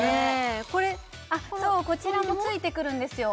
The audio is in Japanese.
これそうこちらもついてくるんですよ